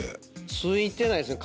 付いてないですね。